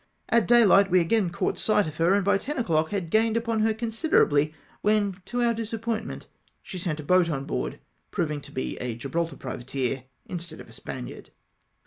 At dayhght we again caught sight of her, and by ten o'clock had gained upon her considerably, when to our disappointment she sent a boat on board, provmg to be a Gibraltar privateer instead of a Spaniard.